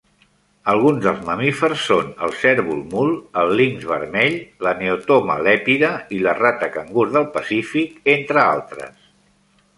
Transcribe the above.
Alguns dels mamífers són el cérvol mul, el linx vermell, la 'Neotoma lepida' i la rata cangur del Pacífic, entre altres.